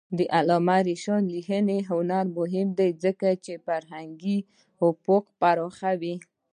د علامه رشاد لیکنی هنر مهم دی ځکه چې فرهنګي افق پراخوي.